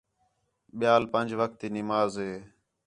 ٻِیال پنڄ وخت تی نماز ہے